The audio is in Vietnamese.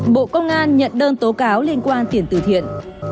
bộ công an nhận đơn tố cáo liên quan tiền tử thiện